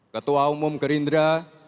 ketua umum gerindra